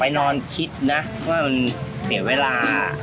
นอนคิดนะว่ามันเสียเวลา